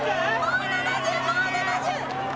もう７０もう７０。